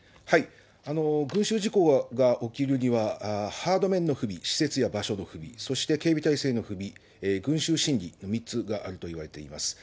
群集事故が起きるには、ハード面の不備、施設や場所の不備、そして警備態勢の不備、群集心理、３つがあるといわれています。